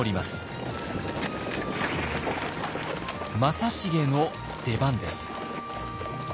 正成の出番です。